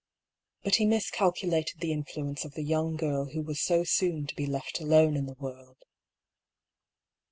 But he miscalculated the influence of the young girl who was so soon to be left alone in the world.